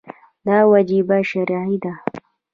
دا وجیبه شرعي ده.